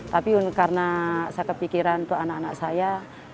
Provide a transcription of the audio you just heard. tapi karena saya kepikiran untuk anak anak saya